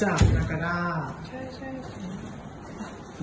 ใช่